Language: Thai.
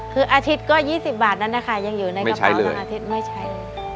คืออาทิตย์ก็ยี่สิบบาทนั้นนะคะยังอยู่ในกระเป๋าไม่ใช่เลย